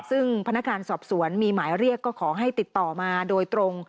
ซึ่งพนักงานสอบสวนมีหมายเรียกก็ขอให้ติดต่อมาโดยตรง